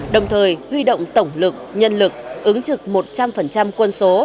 đồng thời huy động tổng lực nhân lực ứng trực một trăm linh quân số